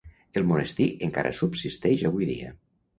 El monestir encara subsisteix avui dia.